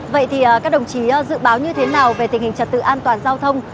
vậy thì các đồng chí dự báo như thế nào về tình hình trật tự an toàn giao thông